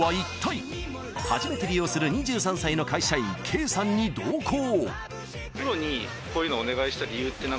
［初めて利用する２３歳の会社員Ｋさんに同行］